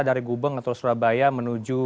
dari gubeng atau surabaya menuju